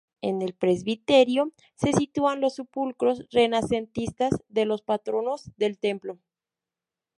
En el presbiterio se sitúan los sepulcros renacentistas de los patronos del templo.